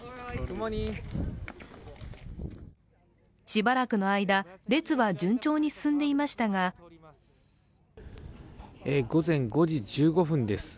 しばらくの間、列は順調に進んでいましたが午前５時１５分です。